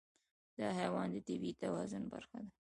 دا حیوان د طبیعي توازن برخه ده.